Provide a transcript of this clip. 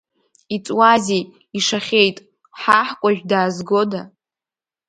Иҵуазеи, ишахьеит, ҳаҳкәажә даазгода?